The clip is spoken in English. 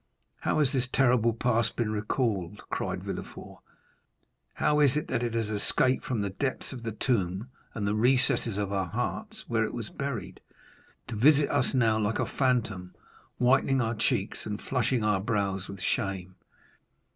"How has this terrible past been recalled?" cried Villefort; "how is it that it has escaped from the depths of the tomb and the recesses of our hearts, where it was buried, to visit us now, like a phantom, whitening our cheeks and flushing our brows with shame?"